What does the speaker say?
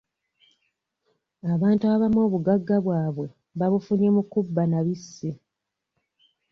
Abantu abamu obugagga bwabwe babufunye mu kubba na bissi.